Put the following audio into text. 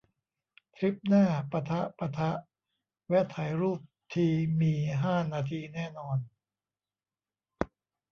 ทริปหน้า ปะทะ ปะทะ แวะถ่ายรูปทีมีห้านาทีแน่นอน